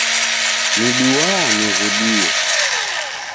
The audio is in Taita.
Niduaa nighudie.